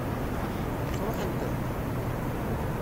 Sṛuḥent-t?